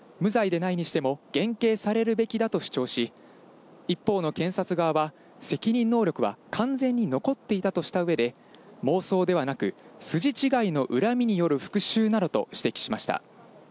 無罪でないにしても減刑されるべきだと主張し、一方の検察側は責任能力は完全に残っていたとした上で、妄想ではなく、筋違いの恨みによる復讐などと指摘しました。